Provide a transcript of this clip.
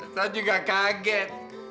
saya juga kaget